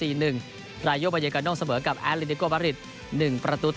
รายโยบายกาโนเสมอกับแอดลินิโกบาริส๑ประตูต่อ